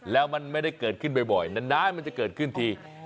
แล้วมันไม่ได้เกิดขึ้นบ่อยนานมันจะเกิดขึ้นที